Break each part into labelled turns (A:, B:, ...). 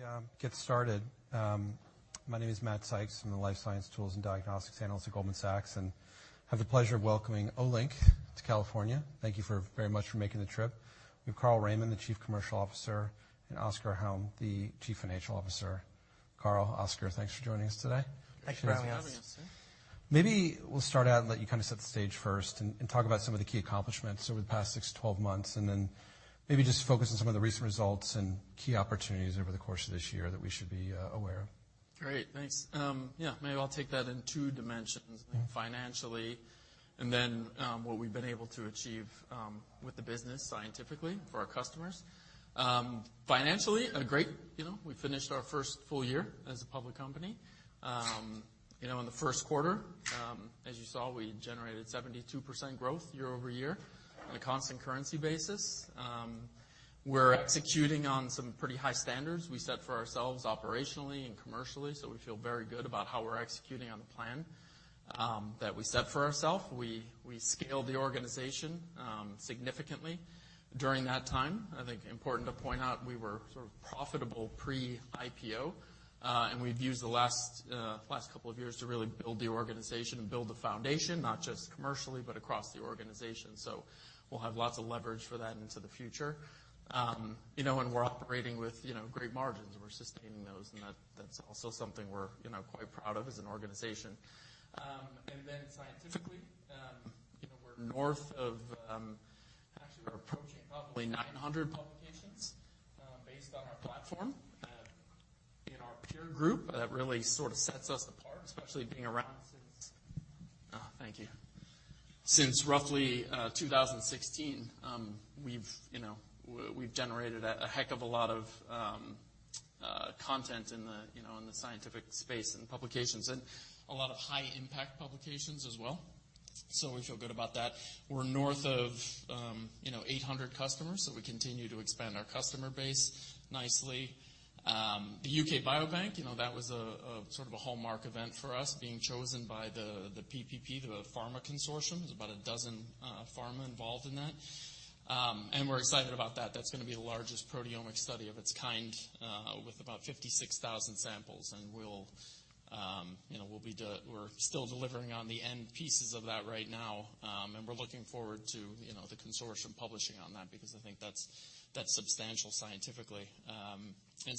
A: Yeah, get started. My name is Matt Sykes. I'm the Life Science Tools and Diagnostics Analyst at Goldman Sachs, and I have the pleasure of welcoming Olink to California. Thank you very much for making the trip. We have Carl Raimond, the Chief Commercial Officer, and Oskar Hjelm, the Chief Financial Officer. Carl, Oskar, thanks for joining us today.
B: Thank you for having us.
C: Thanks for having us.
A: Maybe we'll start out and let you kinda set the stage first and talk about some of the key accomplishments over the past six to 12 months, and then maybe just focus on some of the recent results and key opportunities over the course of this year that we should be aware of.
B: Great. Thanks. Yeah, maybe I'll take that in two dimensions.
A: Mm-hmm.
B: Financially, what we've been able to achieve with the business scientifically for our customers. Financially, great, you know, we finished our first full year as a public company. You know, in the first quarter, as you saw, we generated 72% growth year-over-year on a constant currency basis. We're executing on some pretty high standards we set for ourselves operationally and commercially, so we feel very good about how we're executing on the plan that we set for ourselves. We scaled the organization significantly during that time. I think important to point out, we were sort of profitable pre-IPO, and we've used the last couple of years to really build the organization and build the foundation, not just commercially, but across the organization. We'll have lots of leverage for that into the future. You know, we're operating with great margins. We're sustaining those, and that's also something we're quite proud of as an organization. Scientifically, you know, we're north of. Actually we're approaching probably 900 publications based on our platform. In our peer group, that really sort of sets us apart, especially being around since roughly 2016, we've generated a heck of a lot of content in the scientific space and publications. A lot of high impact publications as well. We feel good about that. We're north of 800 customers, so we continue to expand our customer base nicely. The UK Biobank, you know, that was a sort of hallmark event for us, being chosen by the PPP, the pharma consortium. There's about a dozen pharma involved in that. We're excited about that. That's gonna be the largest proteomic study of its kind, with about 56,000 samples. We're still delivering on the end pieces of that right now. We're looking forward to, you know, the consortium publishing on that because I think that's substantial scientifically.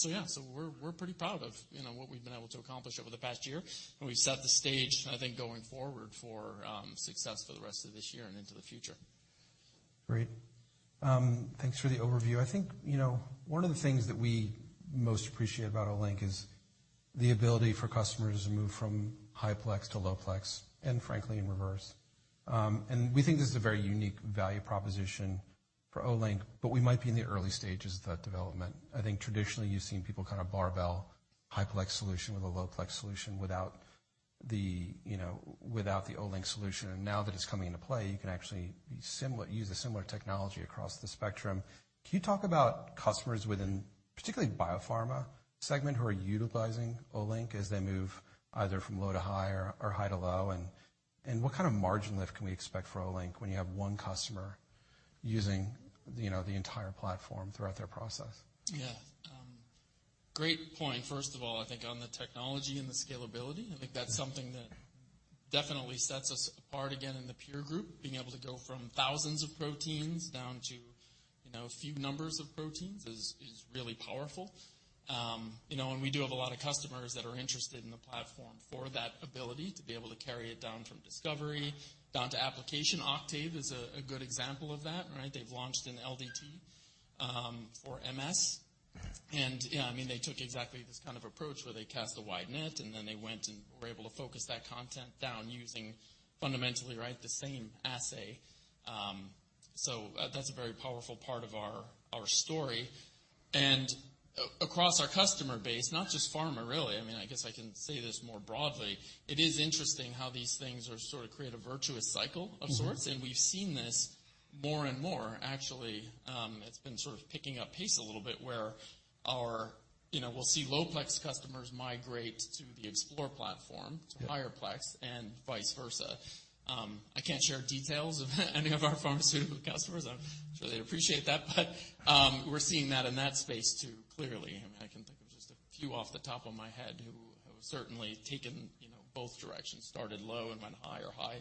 B: Yeah. So we're pretty proud of, you know, what we've been able to accomplish over the past year. We've set the stage, I think, going forward for success for the rest of this year and into the future.
A: Great. Thanks for the overview. I think, you know, one of the things that we most appreciate about Olink is the ability for customers to move from high-plex to low-plex and frankly, in reverse. We think this is a very unique value proposition for Olink, but we might be in the early stages of that development. I think traditionally you've seen people kind of barbell high-plex solution with a low-plex solution without the, you know, without the Olink solution. Now that it's coming into play, you can actually use a similar technology across the spectrum. Can you talk about customers, particularly in the biopharma segment, who are utilizing Olink as they move either from low to high or high to low? What kind of margin lift can we expect for Olink when you have one customer using, you know, the entire platform throughout their process?
B: Yeah. Great point. First of all, I think on the technology and the scalability, I think that's something that definitely sets us apart again in the peer group. Being able to go from thousands of proteins down to, you know, a few numbers of proteins is really powerful. You know, and we do have a lot of customers that are interested in the platform for that ability to be able to carry it down from discovery down to application. Octave is a good example of that, right? They've launched an LDT for MS. Yeah, I mean, they took exactly this kind of approach where they cast a wide net, and then they went and were able to focus that content down using fundamentally, right, the same assay. So that's a very powerful part of our story. Across our customer base, not just pharma really, I mean, I guess I can say this more broadly, it is interesting how these things are sort of create a virtuous cycle of sorts.
A: Mm-hmm.
B: We've seen this more and more. Actually, it's been sort of picking up pace a little bit where our, you know, we'll see lowplex customers migrate to the Explore platform...
A: Yeah
B: ...to higher plex and vice versa. I can't share details of any of our pharmaceutical customers. I'm sure they'd appreciate that, but, we're seeing that in that space too, clearly. I mean, I can think of just a few off the top of my head who have certainly taken, you know, both directions, started low and went high or high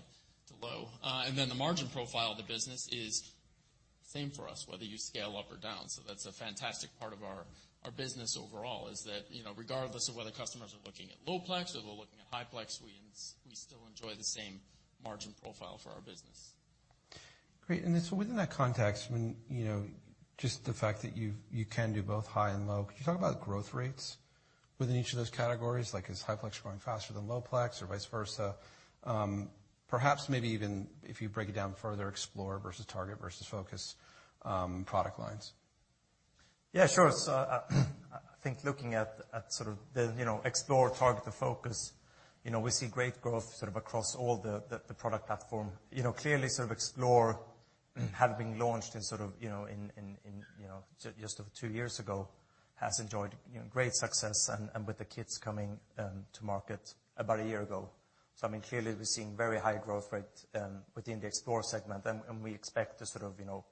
B: to low. The margin profile of the business is same for us whether you scale up or down. That's a fantastic part of our business overall, is that, you know, regardless of whether customers are looking at low-plex or they're looking at high-plex, we still enjoy the same margin profile for our business.
A: Great. Within that context, when you know just the fact that you can do both high and low, could you talk about growth rates within each of those categories? Like is high-plex growing faster than low-plex or vice versa? Perhaps maybe even if you break it down further, Explore versus Target versus Focus, product lines.
C: Yeah, sure. I think looking at sort of the, you know, Explore, Target or Focus, you know, we see great growth sort of across all the product platform. You know, clearly sort of Explore having been launched in sort of, you know, in you know, just two years ago has enjoyed, you know, great success and with the kits coming to market about a year ago. I mean, clearly we're seeing very high growth rate within the Explore segment. We expect to sort of, you know,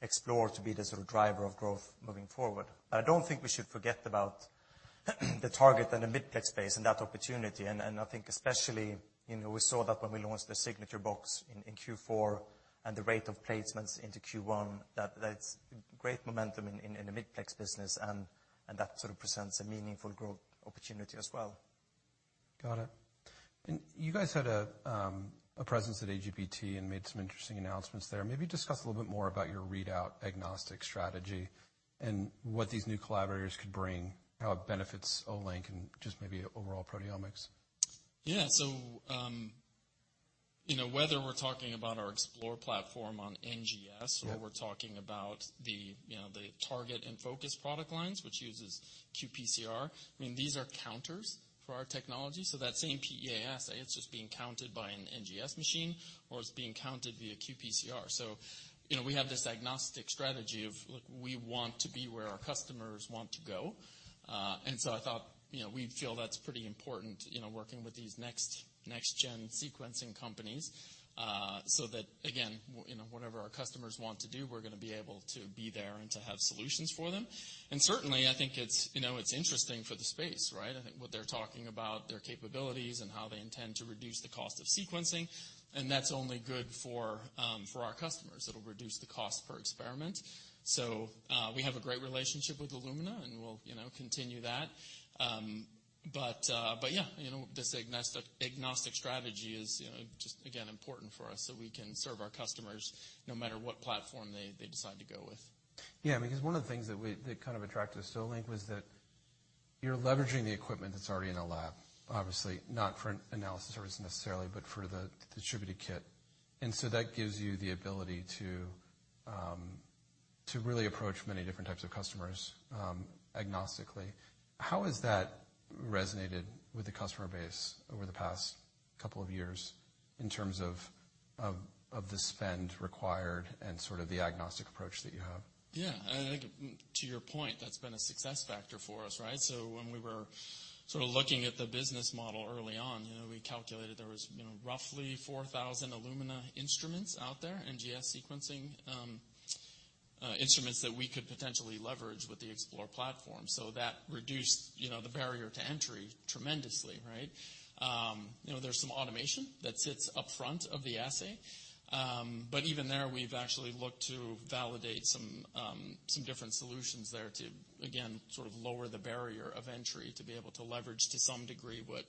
C: Explore to be the sort of driver of growth moving forward. I don't think we should forget about the Target and the mid-plex space and that opportunity. I think especially, you know, we saw that when we launched the Signature Q100 in Q4 and the rate of placements into Q1. That's great momentum in the mid-plex business and that sort of presents a meaningful growth opportunity as well.
A: Got it. You guys had a presence at AGBT and made some interesting announcements there. Maybe discuss a little bit more about your readout agnostic strategy and what these new collaborators could bring, how it benefits Olink and just maybe overall proteomics.
B: Yeah. You know, whether we're talking about our Explore platform on NGS.
A: Yeah
B: We're talking about the, you know, the Target and Focus product lines, which uses qPCR. I mean, these are counters for our technology. That same PEA assay, it's just being counted by an NGS machine, or it's being counted via qPCR. You know, we have this agnostic strategy of, look, we want to be where our customers want to go. I thought, you know, we feel that's pretty important, you know, working with these next gen sequencing companies, so that again, you know, whatever our customers want to do, we're gonna be able to be there and to have solutions for them. Certainly I think it's, you know, it's interesting for the space, right? I think what they're talking about, their capabilities and how they intend to reduce the cost of sequencing, and that's only good for our customers. It'll reduce the cost per experiment. We have a great relationship with Illumina and we'll, you know, continue that. Yeah, you know, this agnostic strategy is, you know, just again, important for us so we can serve our customers no matter what platform they decide to go with.
A: Yeah, because one of the things that kind of attracted us to Olink was that you're leveraging the equipment that's already in a lab, obviously, not for an analysis service necessarily, but for the distributed kit. That gives you the ability to really approach many different types of customers agnostically. How has that resonated with the customer base over the past couple of years in terms of the spend required and sort of the agnostic approach that you have?
B: Yeah. I think to your point, that's been a success factor for us, right? When we were sort of looking at the business model early on, you know, we calculated there was, you know, roughly 4,000 Illumina instruments out there, NGS sequencing instruments that we could potentially leverage with the Explore platform. That reduced, you know, the barrier to entry tremendously, right? You know, there's some automation that sits up front of the assay. Even there we've actually looked to validate some different solutions there to again, sort of lower the barrier of entry to be able to leverage to some degree what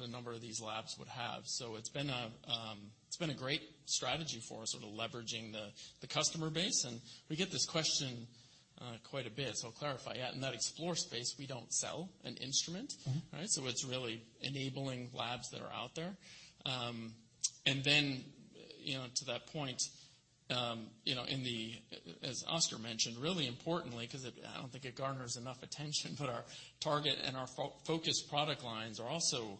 B: a number of these labs would have. It's been a great strategy for us, sort of leveraging the customer base. We get this question quite a bit, so I'll clarify. Yeah, in that Explore space, we don't sell an instrument.
A: Mm-hmm.
B: Right? It's really enabling labs that are out there. You know, to that point, you know, as Oskar mentioned, really importantly, 'cause it I don't think it garners enough attention, but our Target and our Focus product lines are also,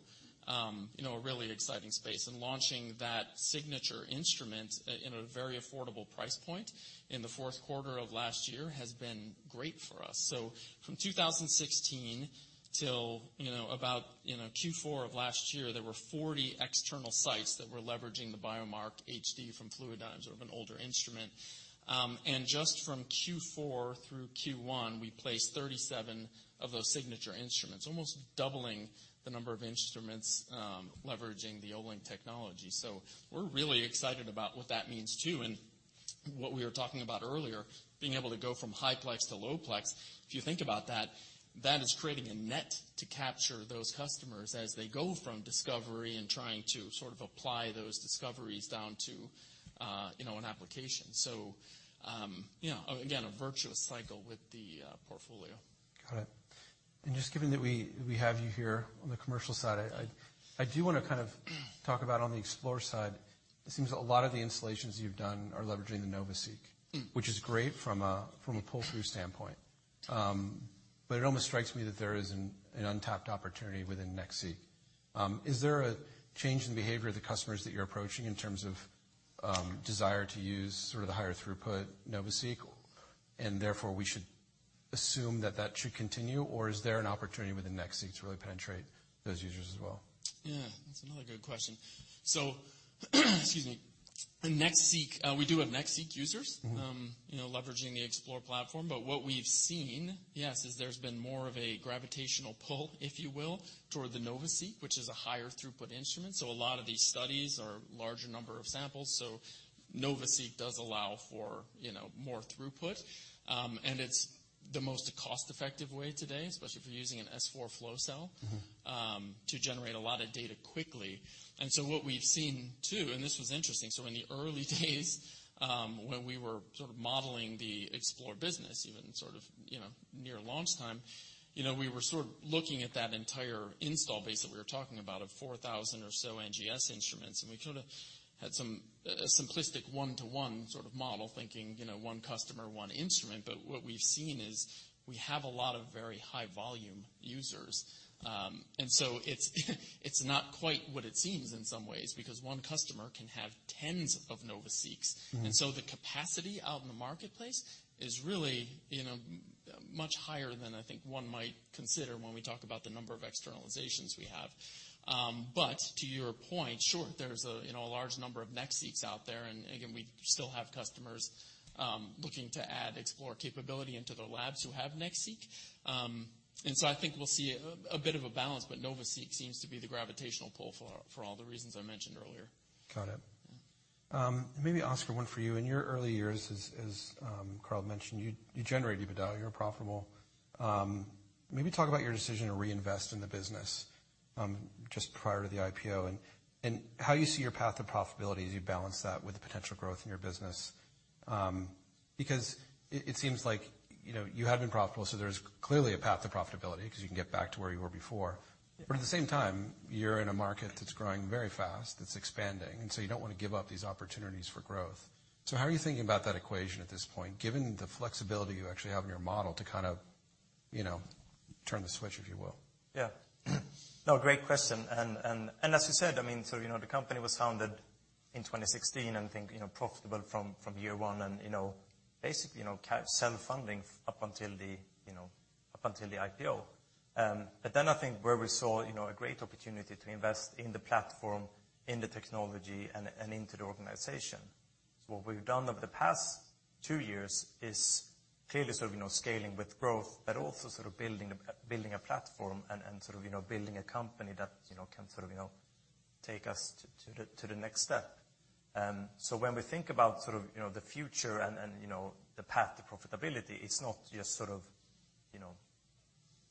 B: you know, a really exciting space. Launching that Signature Q100 instrument in a very affordable price point in the fourth quarter of last year has been great for us. From 2016 till, you know, about, you know, Q4 of last year, there were 40 external sites that were leveraging the Biomark HD from Fluidigm, sort of an older instrument. Just from Q4 through Q1, we placed 37 of those Signature Q100 instruments, almost doubling the number of instruments, leveraging the Olink technology. We're really excited about what that means too. What we were talking about earlier, being able to go from high-plex to low-plex. If you think about that is creating a net to capture those customers as they go from discovery and trying to sort of apply those discoveries down to, you know, an application. You know, again, a virtuous cycle with the portfolio.
A: Got it. Just given that we have you here on the commercial side, I do wanna kind of talk about on the Explore side, it seems a lot of the installations you've done are leveraging the NovaSeq.
B: Mm
A: ...which is great from a pull-through standpoint. It almost strikes me that there is an untapped opportunity within NextSeq. Is there a change in behavior of the customers that you're approaching in terms of desire to use sort of the higher throughput NovaSeq, and therefore we should assume that that should continue? Is there an opportunity within NextSeq to really penetrate those users as well?
B: Yeah, that's another good question. Excuse me, NextSeq, we do have NextSeq users...
A: Mm-hmm
B: ...you know, leveraging the Explore platform. What we've seen, yes, is there's been more of a gravitational pull, if you will, toward the NovaSeq, which is a higher throughput instrument. A lot of these studies are larger number of samples, so NovaSeq does allow for, you know, more throughput. It's the most cost-effective way today, especially if you're using an S4 flow cell...
A: Mm-hmm
B: ...to generate a lot of data quickly. What we've seen, too, and this was interesting, so in the early days, when we were sort of modeling the Explore business, even sort of, you know, near launch time, you know, we were sort of looking at that entire install base that we were talking about of 4,000 or so NGS instruments, and we sort of had some, a simplistic one-to-one sort of model thinking, you know, one customer, one instrument. What we've seen is we have a lot of very high volume users. It's not quite what it seems in some ways, because one customer can have tens of NovaSeqs.
A: Mm-hmm.
B: The capacity out in the marketplace is really, you know, much higher than I think one might consider when we talk about the number of externalizations we have. But to your point, sure, there's a, you know, a large number of NextSeqs out there, and again, we still have customers looking to add Explore capability into their labs who have NextSeq. I think we'll see a bit of a balance, but NovaSeq seems to be the gravitational pull for all the reasons I mentioned earlier.
A: Got it.
B: Mm-hmm.
A: Maybe Oskar, one for you. In your early years, as Carl mentioned, you generate EBITDA, you're profitable. Maybe talk about your decision to reinvest in the business just prior to the IPO and how you see your path to profitability as you balance that with the potential growth in your business. Because it seems like, you know, you have been profitable, so there's clearly a path to profitability 'cause you can get back to where you were before.
C: Yeah.
A: At the same time, you're in a market that's growing very fast, it's expanding, and so you don't wanna give up these opportunities for growth. How are you thinking about that equation at this point, given the flexibility you actually have in your model to kind of, you know, turn the switch, if you will?
C: Yeah. No, great question. As you said, I mean, sort of, you know, the company was founded in 2016 and I think, you know, profitable from year one and, you know, basically, you know, self-funding up until the IPO. I think where we saw, you know, a great opportunity to invest in the platform, in the technology and into the organization. What we've done over the past two years is clearly sort of, you know, scaling with growth, but also sort of building a platform and sort of, you know, building a company that, you know, can sort of, you know, take us to the next step. When we think about sort of, you know, the future and you know, the path to profitability, it's not just sort of, you know,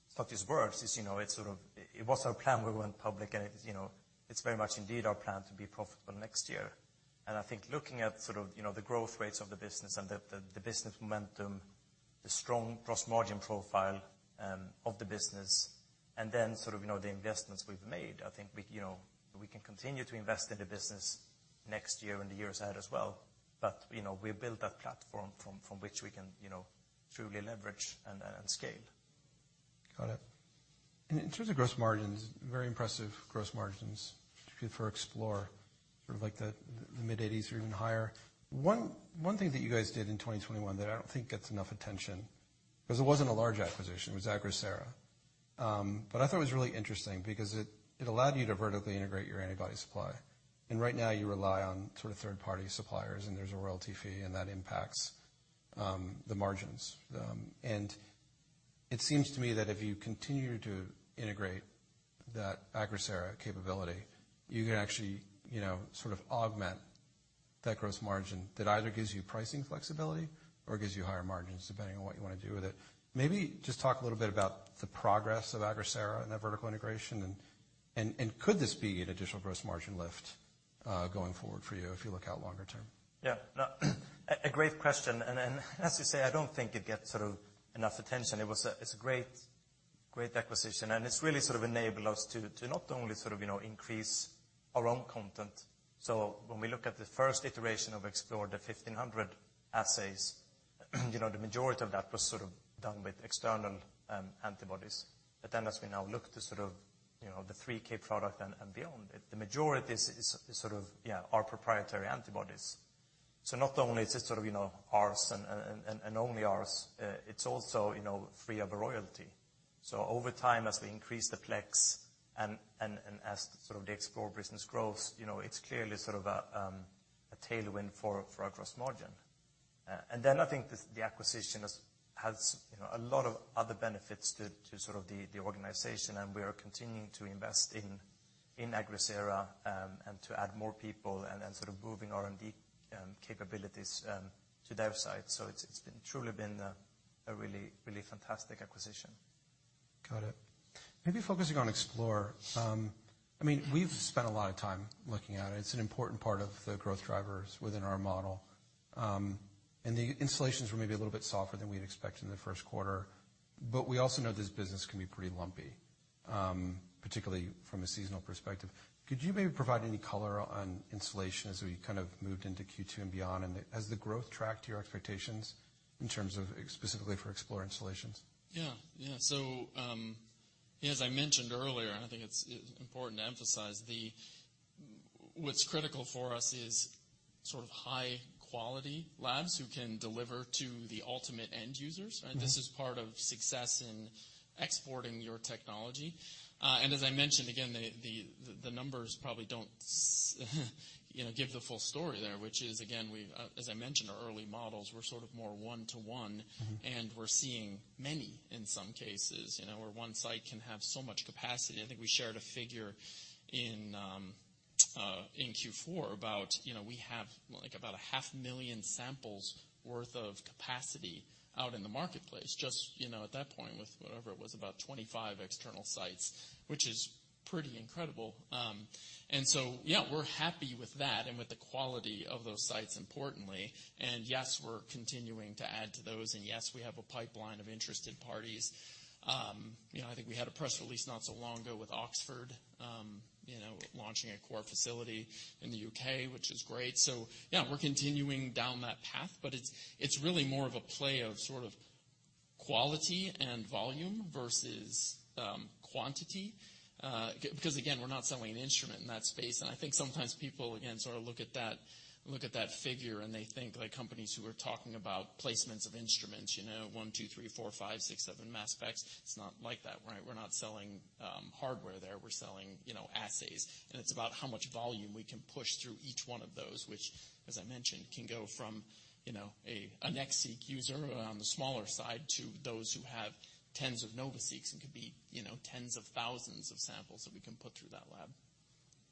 C: it's not just words, it's, you know, it's sort of. It was our plan when we went public, and it is, you know, it's very much indeed our plan to be profitable next year. I think looking at sort of, you know, the growth rates of the business and the business momentum, the strong gross margin profile of the business, and then sort of, you know, the investments we've made, I think we, you know, we can continue to invest in the business next year and the years ahead as well. You know, we built that platform from which we can, you know, truly leverage and scale.
A: Got it. In terms of gross margins, very impressive gross margins, particularly for Explore, sort of like the mid-80s% or even higher. One thing that you guys did in 2021 that I don't think gets enough attention, 'cause it wasn't a large acquisition, was Agrisera. I thought it was really interesting because it allowed you to vertically integrate your antibody supply. Right now you rely on sort of third-party suppliers, and there's a royalty fee and that impacts the margins. It seems to me that if you continue to integrate that Agrisera capability, you can actually, you know, sort of augment that gross margin that either gives you pricing flexibility or gives you higher margins depending on what you wanna do with it. Maybe just talk a little bit about the progress of Agrisera and that vertical integration and could this be an additional gross margin lift, going forward for you if you look out longer term?
C: Yeah. No, a great question, and as you say, I don't think it gets sort of enough attention. It was. It's a great acquisition, and it's really sort of enabled us to not only sort of, you know, increase our own content. When we look at the first iteration of Explore, the 1,500 assays, you know, the majority of that was sort of done with external antibodies. Then as we now look to sort of, you know, the 3,000 product and beyond, the majority is sort of yeah, our proprietary antibodies. Not only is it sort of, you know, ours and only ours, it's also, you know, free of a royalty. Over time, as we increase the plex and as sort of the Explore business grows, you know, it's clearly sort of a tailwind for our gross margin. Then I think this, the acquisition has you know, a lot of other benefits to sort of the organization, and we are continuing to invest in Agrisera and to add more people and sort of building R&D capabilities to their site. It's been truly a really fantastic acquisition.
A: Got it. Maybe focusing on Explore. I mean, we've spent a lot of time looking at it. It's an important part of the growth drivers within our model. The installations were maybe a little bit softer than we had expected in the first quarter, but we also know this business can be pretty lumpy, particularly from a seasonal perspective. Could you maybe provide any color on installation as we kind of moved into Q2 and beyond and has the growth tracked to your expectations in terms of specifically for Explore installations?
B: Yeah. As I mentioned earlier, I think it's important to emphasize what's critical for us is sort of high-quality labs who can deliver to the ultimate end users, right?
A: Mm-hmm.
B: This is part of success in exporting your technology. As I mentioned, again, the numbers probably don't, you know, give the full story there, which is again, we've, as I mentioned, our early models were sort of more one-to-one.
A: Mm-hmm.
B: We're seeing many, in some cases, you know, where one site can have so much capacity. I think we shared a figure in Q4 about, you know, we have, like, about 500,000 samples worth of capacity out in the marketplace, just, you know, at that point with whatever it was, about 25 external sites, which is pretty incredible. Yeah, we're happy with that and with the quality of those sites, importantly. Yes, we're continuing to add to those. Yes, we have a pipeline of interested parties. You know, I think we had a press release not so long ago with Oxford, you know, launching a core facility in the U.K., which is great. Yeah, we're continuing down that path, but it's really more of a play of sort of quality and volume versus quantity. Because again, we're not selling an instrument in that space. I think sometimes people, again, sort of look at that figure, and they think like companies who are talking about placements of instruments, you know, one, two, three, four, five, six, seven mass specs. It's not like that, right? We're not selling hardware there. We're selling, you know, assays. It's about how much volume we can push through each one of those, which as I mentioned, can go from, you know, a NextSeq user on the smaller side to those who have tens of NovaSeqs and could be, you know, tens of thousands of samples that we can put through that lab.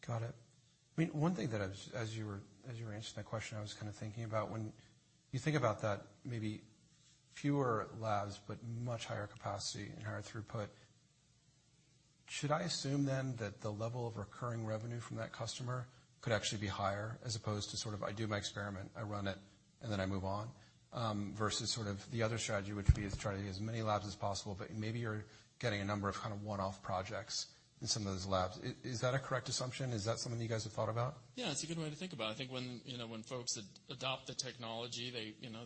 A: Got it. I mean, one thing that as you were answering that question, I was kind of thinking about when you think about that maybe fewer labs, but much higher capacity and higher throughput, should I assume then that the level of recurring revenue from that customer could actually be higher as opposed to sort of I do my experiment, I run it, and then I move on? Versus sort of the other strategy, which would be to try to get as many labs as possible, but maybe you're getting a number of kind of one-off projects in some of those labs. Is that a correct assumption? Is that something you guys have thought about?
B: Yeah, it's a good way to think about it. I think when, you know, folks adopt the technology, they, you know,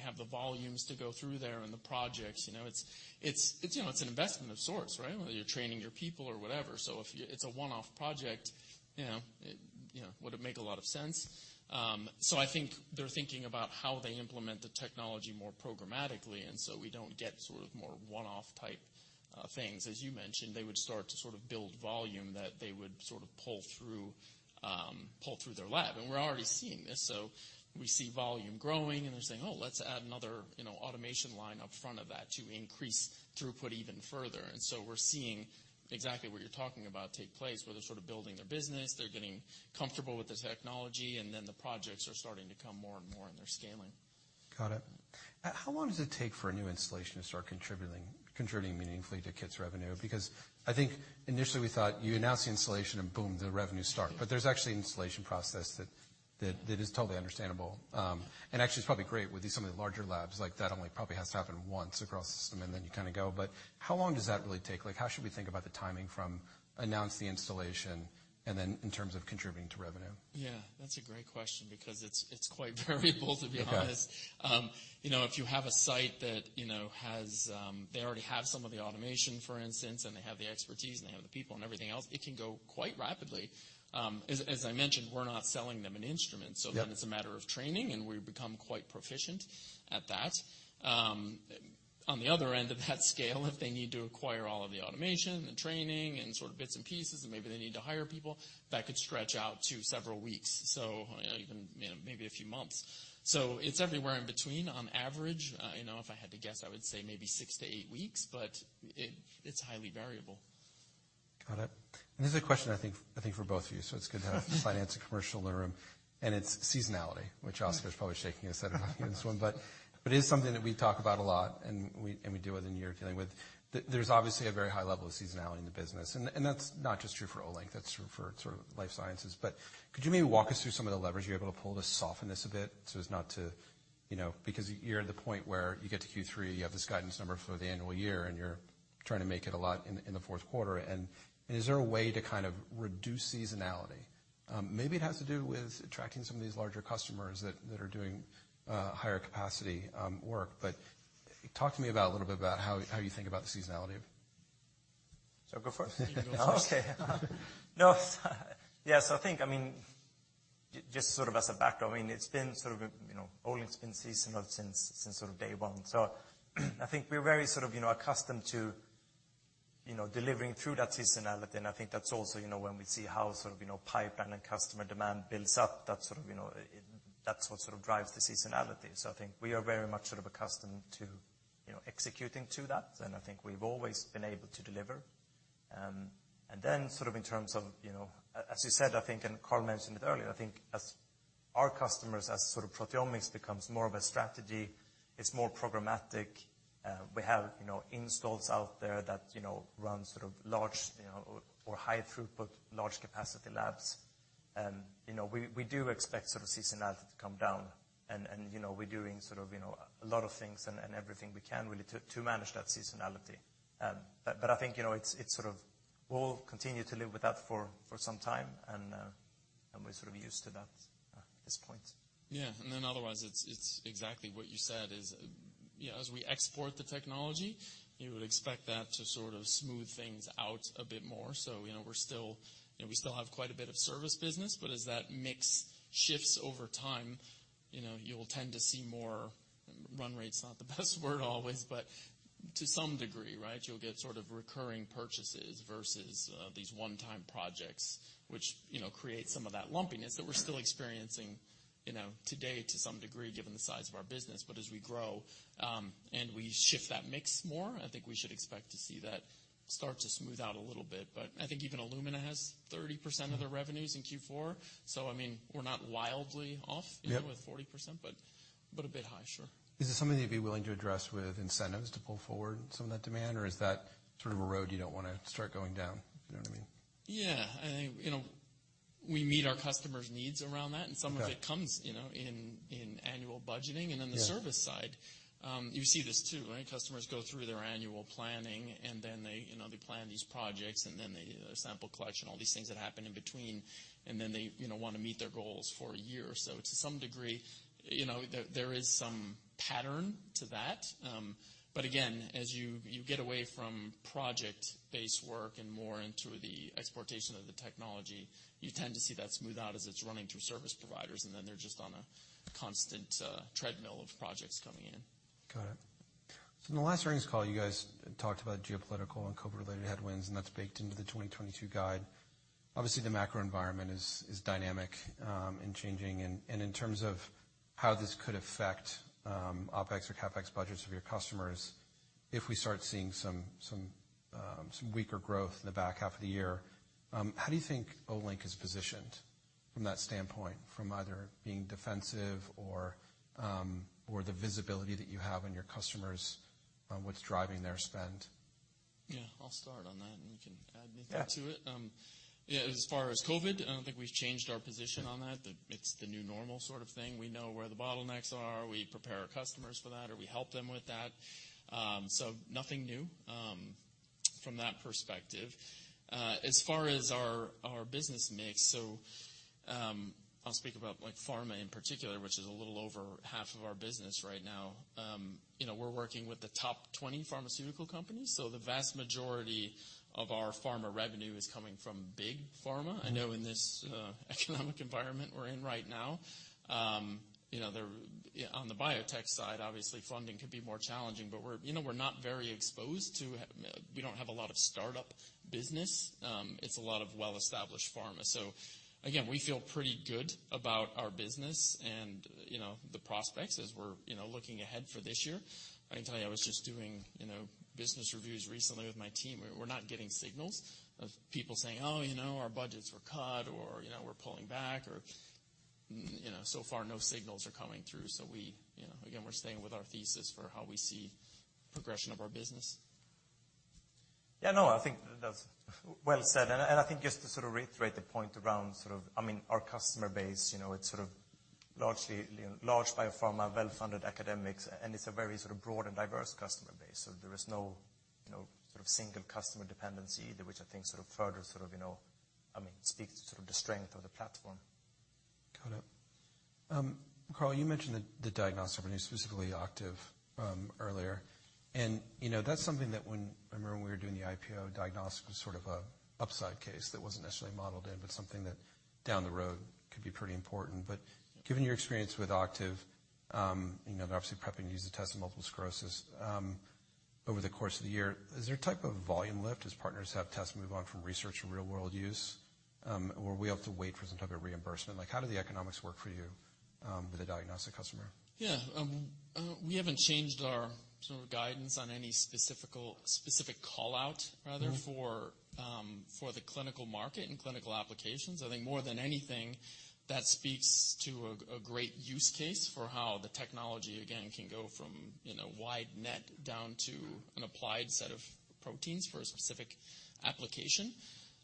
B: have the volumes to go through there and the projects, you know, it's an investment of sorts, right? Whether you're training your people or whatever. If it's a one-off project, you know, would it make a lot of sense? I think they're thinking about how they implement the technology more programmatically, and so we don't get sort of more one-off type things. As you mentioned, they would start to sort of build volume that they would sort of pull through their lab. We're already seeing this, so we see volume growing and they're saying, "Oh, let's add another, you know, automation line up front of that to increase throughput even further." We're seeing exactly what you're talking about take place, where they're sort of building their business, they're getting comfortable with the technology, and then the projects are starting to come more and more and they're scaling.
A: Got it. How long does it take for a new installation to start contributing meaningfully to Kit's revenue? Because I think initially we thought you announce the installation and boom, the revenue start. There's actually an installation process that is totally understandable, and actually it's probably great with some of the larger labs like that only probably has to happen once across the system and then you kind of go. How long does that really take? Like, how should we think about the timing from announce the installation and then in terms of contributing to revenue?
B: Yeah, that's a great question because it's quite variable to be honest.
A: Okay.
B: You know, if you have a site that, you know, they already have some of the automation, for instance, and they have the expertise and they have the people and everything else, it can go quite rapidly. As I mentioned, we're not selling them an instrument.
A: Yep.
B: It's a matter of training and we've become quite proficient at that. On the other end of that scale, if they need to acquire all of the automation and training and sort of bits and pieces, and maybe they need to hire people, that could stretch out to several weeks. Even, you know, maybe a few months. It's everywhere in between. On average, you know, if I had to guess, I would say maybe six to eight weeks, but it's highly variable.
A: Got it. This is a question I think for both of you, so it's good to have finance and commercial in the room, and it's seasonality, which Oskar is probably shaking his head about this one. It is something that we talk about a lot and we deal with and you're dealing with. There's obviously a very high level of seasonality in the business, and that's not just true for Olink, that's true for sort of life sciences. Could you maybe walk us through some of the levers you're able to pull to soften this a bit so as not to, you know, because you're at the point where you get to Q3, you have this guidance number for the annual year, and you're trying to make it a lot in the fourth quarter. Is there a way to kind of reduce seasonality? Maybe it has to do with attracting some of these larger customers that are doing higher capacity work. Talk to me a little bit about how you think about the seasonality.
C: Shall I go first?
B: You can go first.
C: Yes, I think, I mean, just sort of as a background, I mean, it's been sort of a, you know, Olink's been seasonal since sort of day one. I think we're very sort of, you know, accustomed to, you know, delivering through that seasonality. I think that's also, you know, when we see how sort of, you know, pipeline and then customer demand builds up, that's sort of, you know, that's what sort of drives the seasonality. I think we are very much sort of accustomed to, you know, executing to that, and I think we've always been able to deliver. Then sort of in terms of, you know, as you said, I think, and Carl mentioned it earlier, I think as our customers as sort of proteomics becomes more of a strategy, it's more programmatic. We have, you know, installs out there that, you know, run sort of large, you know, or high throughput, large capacity labs. We do expect sort of seasonality to come down and we're doing sort of, you know, a lot of things and everything we can really to manage that seasonality. I think, you know, it's sort of we'll continue to live with that for some time and we're sort of used to that at this point.
B: Yeah. Otherwise, it's exactly what you said is, you know, as we export the technology, you would expect that to sort of smooth things out a bit more. We're still, you know, we still have quite a bit of service business, but as that mix shifts over time, you know, you'll tend to see more, run rate's not the best word always, but to some degree, right. You'll get sort of recurring purchases versus these one-time projects which, you know, create some of that lumpiness that we're still experiencing, you know, today to some degree, given the size of our business. As we grow, and we shift that mix more, I think we should expect to see that start to smooth out a little bit. I think even Illumina has 30% of their revenues in Q4. I mean, we're not wildly off.
A: Yep.
B: You know, with 40%, but a bit high, sure.
A: Is this something that you'd be willing to address with incentives to pull forward some of that demand? Or is that sort of a road you don't wanna start going down? You know what I mean?
B: Yeah. I think, you know, we meet our customers' needs around that.
A: Okay.
B: Some of it comes, you know, in annual budgeting.
A: Yeah.
B: On the service side, you see this too, right? Customers go through their annual planning and then they, you know, they plan these projects, and then they, the sample collection, all these things that happen in between, and then they, you know, wanna meet their goals for a year. To some degree, you know, there is some pattern to that. But again, as you get away from project-based work and more into the exportation of the technology, you tend to see that smooth out as it's running through service providers, and then they're just on a constant treadmill of projects coming in.
A: Got it. In the last earnings call, you guys talked about geopolitical and COVID-related headwinds, and that's baked into the 2022 guide. Obviously, the macro environment is dynamic and changing, and in terms of how this could affect OpEx or CapEx budgets of your customers. If we start seeing some weaker growth in the back half of the year, how do you think Olink is positioned from that standpoint, from either being defensive or the visibility that you have on your customers on what's driving their spend?
B: Yeah, I'll start on that, and you can add anything to it.
A: Yeah.
B: Yeah. As far as COVID, I don't think we've changed our position on that. It's the new normal sort of thing. We know where the bottlenecks are. We prepare our customers for that, or we help them with that. Nothing new from that perspective. As far as our business mix, I'll speak about like pharma in particular, which is a little over half of our business right now. You know, we're working with the top 20 pharmaceutical companies, so the vast majority of our pharma revenue is coming from big pharma.
A: Mm-hmm.
B: I know in this economic environment we're in right now, you know, on the biotech side, obviously funding can be more challenging, but we're, you know, we're not very exposed to. We don't have a lot of startup business. It's a lot of well-established pharma. Again, we feel pretty good about our business and, you know, the prospects as we're, you know, looking ahead for this year. I can tell you, I was just doing, you know, business reviews recently with my team. We're not getting signals of people saying, "Oh, you know, our budgets were cut," or, you know, "We're pulling back," or, you know. So far, no signals are coming through, so we, you know. Again, we're staying with our thesis for how we see progression of our business.
C: Yeah, no, I think that's well said. I think just to sort of reiterate the point around sort of, I mean, our customer base, you know, it's sort of largely large biopharma, well-funded academics, and it's a very sort of broad and diverse customer base. So there is no, you know, sort of single customer dependency either, which I think sort of further sort of, you know, I mean, speaks to sort of the strength of the platform.
A: Got it. Carl, you mentioned the diagnostic revenue, specifically Octave, earlier. You know, that's something that when I remember when we were doing the IPO, diagnostics was sort of an upside case that wasn't necessarily modeled in, but something that down the road could be pretty important. Given your experience with Octave, you know, they're obviously prepping to use the test in Multiple Sclerosis over the course of the year, is there a type of volume lift as partners have tests move on from research to real-world use? Or we have to wait for some type of reimbursement. Like, how do the economics work for you with a diagnostic customer?
B: Yeah. We haven't changed our sort of guidance on any specific call-out rather...
A: Mm-hmm
B: ...for the clinical market and clinical applications. I think more than anything, that speaks to a great use case for how the technology again can go from, you know, wide net down to an applied set of proteins for a specific application.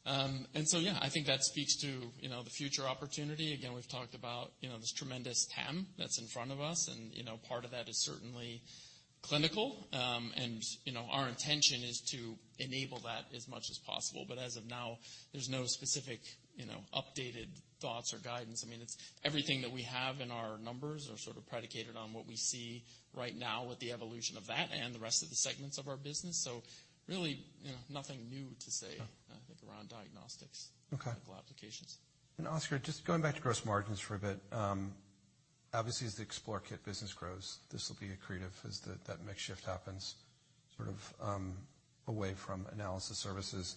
B: Yeah, I think that speaks to, you know, the future opportunity. Again, we've talked about, you know, this tremendous TAM that's in front of us and, you know, part of that is certainly clinical. You know, our intention is to enable that as much as possible. As of now, there's no specific, you know, updated thoughts or guidance. I mean, it's everything that we have in our numbers are sort of predicated on what we see right now with the evolution of that and the rest of the segments of our business. Really, you know, nothing new to say.
A: Oh.
B: I think, around diagnostics,...
A: Okay
B: ...clinical applications.
A: Oskar, just going back to gross margins for a bit, obviously as the Explore kit business grows, this will be accretive as that mix shift happens sort of away from analysis services.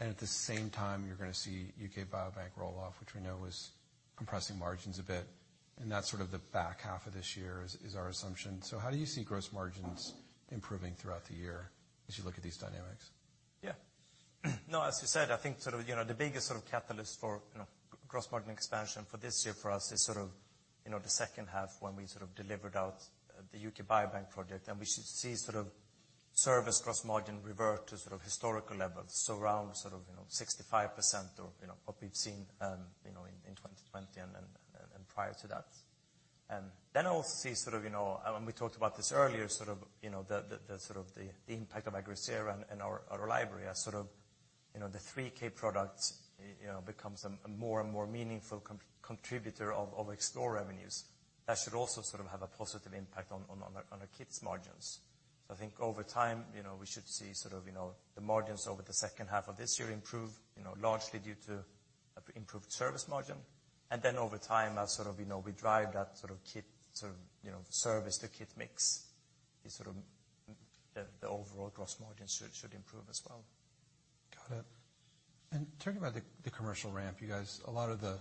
A: At the same time you're gonna see UK Biobank roll-off, which we know is compressing margins a bit, and that's sort of the back half of this year is our assumption. How do you see gross margins improving throughout the year as you look at these dynamics?
C: Yeah. No, as you said, I think sort of, you know, the biggest sort of catalyst for, you know, gross margin expansion for this year for us is sort of, you know, the second half when we sort of deliver the UK Biobank project, and we should see sort of service gross margin revert to sort of historical levels. So around sort of, you know, 65% or, you know, what we've seen, you know, in 2020 and prior to that. I'll see sort of, you know, and we talked about this earlier, sort of, you know, the impact of Agrisera and our library as sort of, you know, the 3,000 products, you know, becomes a more and more meaningful contributor of Explore revenues. That should also sort of have a positive impact on our kit margins. I think over time, you know, we should see sort of, you know, the margins over the second half of this year improve, you know, largely due to improved service margin. Over time, as sort of, you know, we drive that sort of kit sort of, you know, service to kit mix is sort of the overall gross margin should improve as well.
A: Got it. Talking about the commercial ramp, you guys, a lot of the,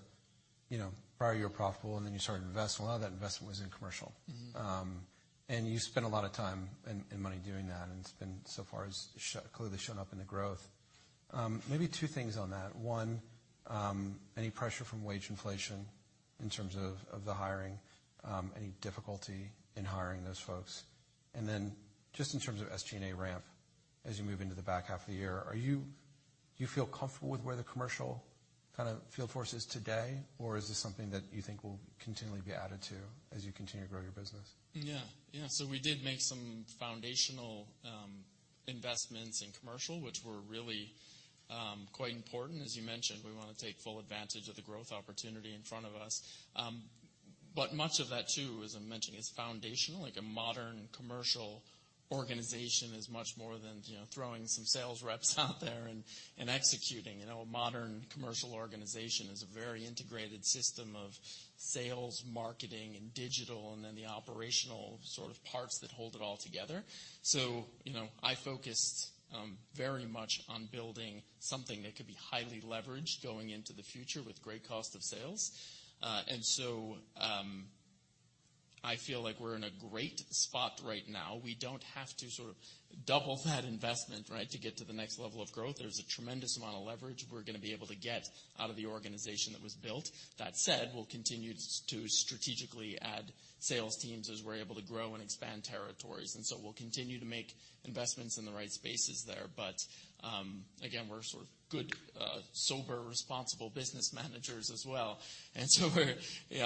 A: you know, prior year profitable, and then you started to invest. A lot of that investment was in commercial.
C: Mm-hmm.
A: You spent a lot of time and money doing that, and it's been so far clearly shown up in the growth. Maybe two things on that. One, any pressure from wage inflation in terms of the hiring? Any difficulty in hiring those folks? Then just in terms of SG&A ramp, as you move into the back half of the year, do you feel comfortable with where the commercial kind of field force is today? Or is this something that you think will continually be added to as you continue to grow your business?
B: We did make some foundational investments in commercial, which were really quite important. As you mentioned, we wanna take full advantage of the growth opportunity in front of us. Much of that too, as I'm mentioning, is foundational, like a modern commercial organization is much more than, you know, throwing some sales reps out there and executing. You know, a modern commercial organization is a very integrated system of sales, marketing, and digital, and then the operational sort of parts that hold it all together. I focused very much on building something that could be highly leveraged going into the future with great cost of sales. I feel like we're in a great spot right now. We don't have to sort of double that investment, right? To get to the next level of growth. There's a tremendous amount of leverage we're gonna be able to get out of the organization that was built. That said, we'll continue to strategically add sales teams as we're able to grow and expand territories. We'll continue to make investments in the right spaces there. But, again, we're sort of good, sober, responsible business managers as well. We're, you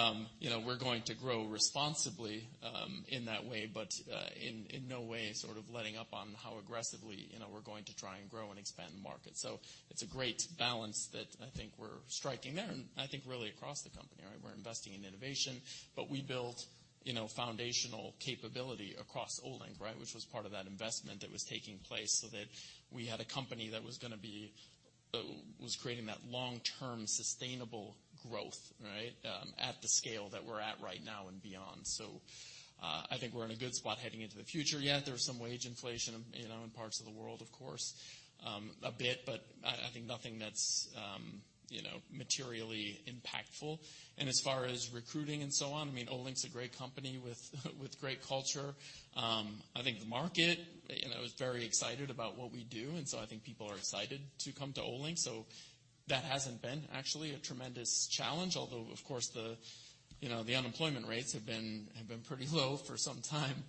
B: know, going to grow responsibly, in that way, but, in no way sort of letting up on how aggressively, you know, we're going to try and grow and expand the market. It's a great balance that I think we're striking there, and I think really across the company, right? We're investing in innovation, but we built, you know, foundational capability across Olink, right? Which was part of that investment that was taking place so that we had a company that was creating that long-term sustainable growth, right? At the scale that we're at right now and beyond. I think we're in a good spot heading into the future. Yeah, there's some wage inflation, you know, in parts of the world, of course, a bit, but I think nothing that's, you know, materially impactful. As far as recruiting and so on, I mean, Olink's a great company with great culture. I think the market, you know, is very excited about what we do, and so I think people are excited to come to Olink. That hasn't been actually a tremendous challenge. Although, of course, the, you know, the unemployment rates have been pretty low for some time.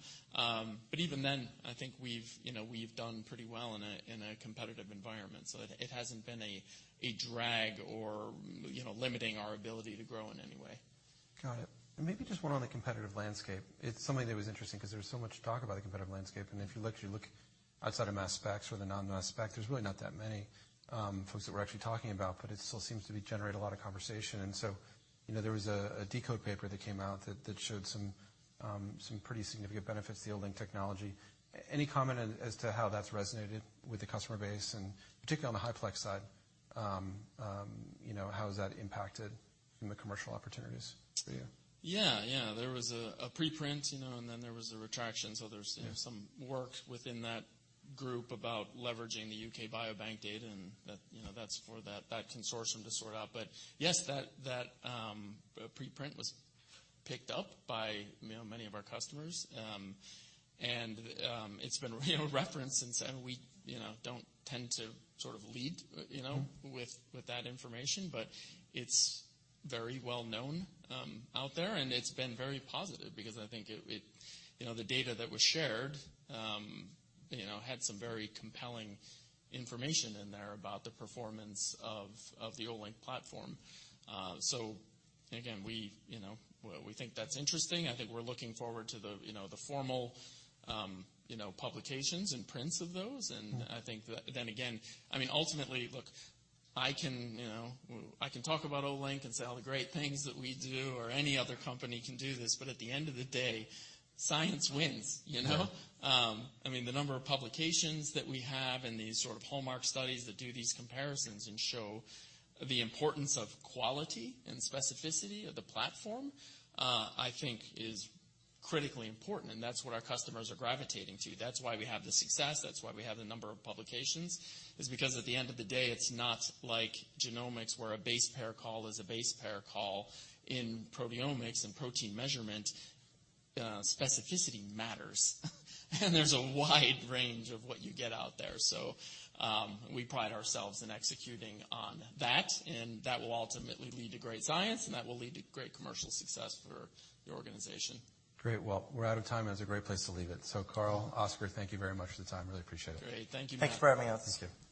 B: Even then, I think we've, you know, done pretty well in a competitive environment, so it hasn't been a drag or, you know, limiting our ability to grow in any way.
A: Got it. Maybe just one on the competitive landscape. It's something that was interesting 'cause there was so much talk about the competitive landscape, and if you look outside of mass spec or the non-mass spec, there's really not that many folks that we're actually talking about, but it still seems to be generating a lot of conversation. You know, there was a deCODE paper that came out that showed some pretty significant benefits to the Olink technology. Any comment as to how that's resonated with the customer base and particularly on the Olink Flex side, you know, how has that impacted in the commercial opportunities for you?
B: Yeah. Yeah. There was a preprint, you know, and then there was a retraction. There's some work within that group about leveraging the UK Biobank data and that, you know, that's for that consortium to sort out. Yes, that preprint was picked up by, you know, many of our customers. It's been, you know, referenced since. We, you know, don't tend to sort of lead, you know.
A: Mm-hmm
B: With that information, but it's very well known out there, and it's been very positive because I think it you know the data that was shared you know had some very compelling information in there about the performance of the Olink platform. So again we you know think that's interesting. I think we're looking forward to the you know formal you know publications and prints of those.
A: Mm-hmm.
B: I think then again, I mean, ultimately, look, I can, you know, I can talk about Olink and say all the great things that we do or any other company can do this. At the end of the day, science wins, you know?
A: Yeah.
B: I mean, the number of publications that we have and these sort of hallmark studies that do these comparisons and show the importance of quality and specificity of the platform, I think is critically important, and that's what our customers are gravitating to. That's why we have the success, that's why we have the number of publications. Is because at the end of the day, it's not like genomics, where a base pair call is a base pair call. In proteomics and protein measurement, specificity matters, and there's a wide range of what you get out there. We pride ourselves in executing on that, and that will ultimately lead to great science, and that will lead to great commercial success for the organization.
A: Great. Well, we're out of time, and it's a great place to leave it. Carl, Oskar, thank you very much for the time. Really appreciate it.
B: Great. Thank you, Matt.
C: Thanks for having me on.
A: Thank you.